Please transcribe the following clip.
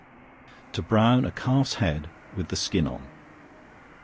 To Brown A Calf's Head With The Skin On.